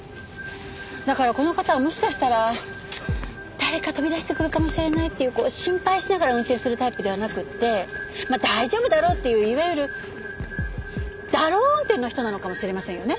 だからこの方はもしかしたら誰か飛び出してくるかもしれないっていうこう心配しながら運転するタイプではなくってまあ大丈夫だろうっていういわゆる「だろう運転」の人なのかもしれませんよね。